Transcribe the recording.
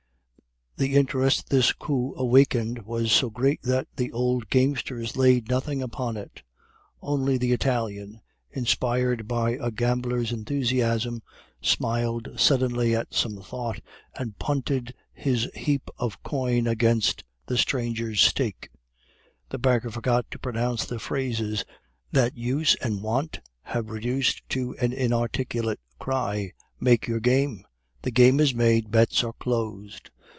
The interest this coup awakened was so great that the old gamesters laid nothing upon it; only the Italian, inspired by a gambler's enthusiasm, smiled suddenly at some thought, and punted his heap of coin against the stranger's stake. The banker forgot to pronounce the phrases that use and wont have reduced to an inarticulate cry "Make your game.... The game is made.... Bets are closed."